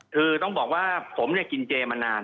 คือต้องบอกว่าผมเนี่ยกินเจมานาน